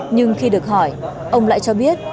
nhưng khi được hỏi ông lại cho biết